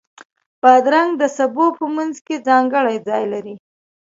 بادرنګ د سبو په منځ کې ځانګړی ځای لري.